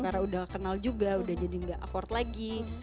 karena udah kenal juga udah jadi gak afford lagi